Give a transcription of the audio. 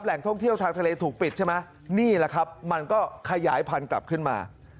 ท่องเที่ยวทางทะเลถูกปิดใช่ไหมนี่แหละครับมันก็ขยายพันธุ์กลับขึ้นมา